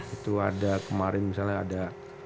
itu ada kemarin misalnya ada